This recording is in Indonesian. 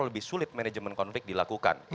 lebih sulit management conflict dilakukan